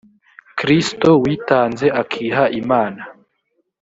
kristo witanze akiha imana